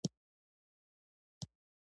د واورې زور اوس تر تمځای لاندې پر غره وو.